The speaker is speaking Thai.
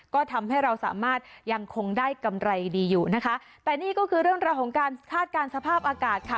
ก็ทำให้เราสามารถยังคงได้กำไรดีอยู่นะคะแต่นี่ก็คือเรื่องราวของการคาดการณ์สภาพอากาศค่ะ